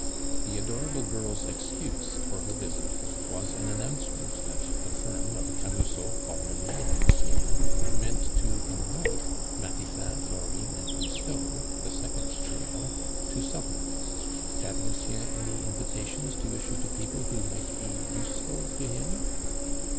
The adorable girl's excuse for her visit was an announcement that the firm of Camusot, Coralie, and Lucien meant to invite Matifat, Florine, and Lousteau (the second trio) to supper; had Lucien any invitations to issue to people who might be useful to him?